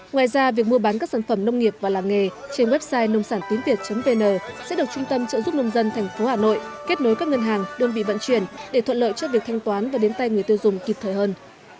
ngoài ra việc mua bán các sản phẩm nông nghiệp và làng nghề trên website nông sản tiến việt vn sẽ được trung tâm trợ giúp nông dân tp hà nội kết nối các ngân hàng đơn vị vận chuyển để thuận lợi cho việc thanh toán và đến tay người tiêu dùng kịp thời hơn